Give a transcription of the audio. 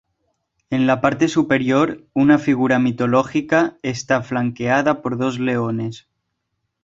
En la parte superior, una figura mitológica está flanqueada por dos leones.